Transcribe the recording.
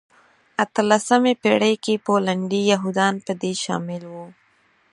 اتلمسې پېړۍ کې پولنډي یهودان په دې شامل وو.